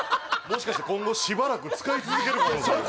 もしかして今後しばらく使い続ける可能性